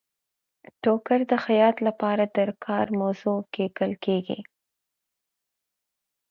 ټوکر د خیاط لپاره د کار موضوع ګڼل کیږي.